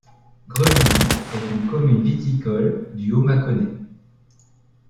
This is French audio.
Grevilly est une commune viticole du Haut-Mâconnais.